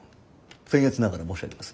僭越ながら申し上げます。